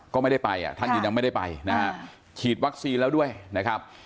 ก็ไม่ได้ไปอ่ะท่านยืนยันไม่ได้ไปนะฮะฉีดวัคซีนแล้วด้วยนะครับ